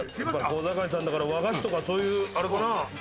小堺さんだから和菓子とかそういうあれかな？